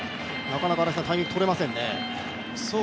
なかなかタイミング取れませんね。